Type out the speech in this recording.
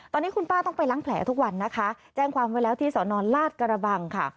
ตอนนี้คุณป้าต้องไปล้างแผลทุกวันแจ้งความเป็นแล้วที่สนลาฎกระบัง